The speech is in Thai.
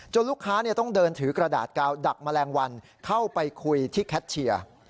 ลูกค้าต้องเดินถือกระดาษกาวดักแมลงวันเข้าไปคุยที่แคทเชียร์